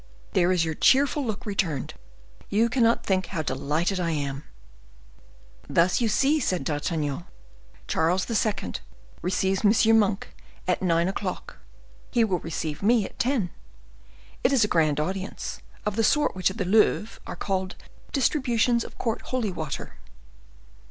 there is your cheerful look returned. You cannot think how delighted I am." "Thus you see," said D'Artagnan, "Charles II. receives M. Monk at nine o'clock; he will receive me at ten; it is a grand audience, of the sort which at the Louvre are called 'distributions of court holy water.